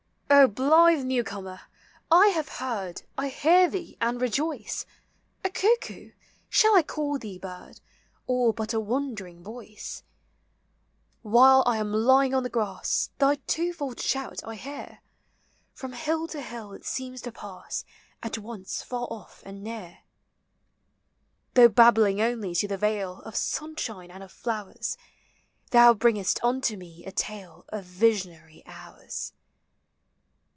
O blithe new comer ! I have heard, I hear thee and rejoice. A cuckoo ! shall I call thee bird, Or but a wandering voice? While I am lying on the grass Thy twofold shout I hear; ANIMATE NATURE. 291 From hill to hill it seems to pass. At once far off and near. Though babbling only to the vale Of sunshine and of flowers. Thou bringest unto me a tale Of visionary hours.